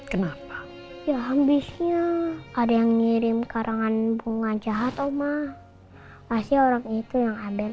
kenapa ya habisnya ada yang ngirim karangan bunga jahat omah pasti orang itu yang ambil